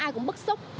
ai cũng bức xúc